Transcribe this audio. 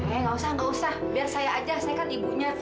eh gak usah nggak usah biar saya aja saya kan ibunya